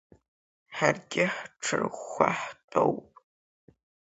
Ҳаргьы ҳҽырӷәӷәа ҳтәоуп.